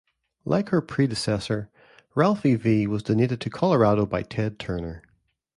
Like her predecessor, Ralphie V was donated to Colorado by Ted Turner.